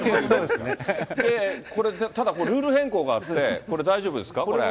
で、これ、ただ、ルール変更があって、これ、大丈夫ですか、これ。